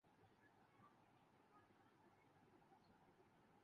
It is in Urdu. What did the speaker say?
، اور جیسا بوئیں گے ویسا ہی کاٹنا پڑے گا